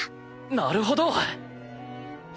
なるほど！